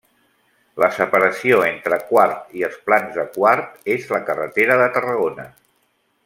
La separació entre Quart i els Plans de Quart és la carretera de Tarragona.